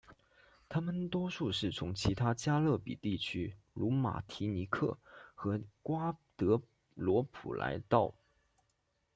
他们多数是从其他加勒比地区如马提尼克和瓜德罗普来到。